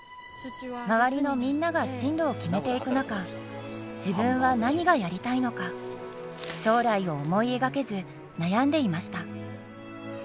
周りのみんなが進路を決めていく中自分は何がやりたいのか将来を思い描けず悩んでいました。